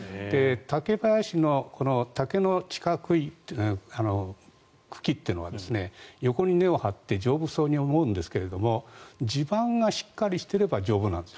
竹林の竹の茎っていうのは横に根を張って丈夫そうに思うんですが地盤がしっかりしていれば丈夫なんです。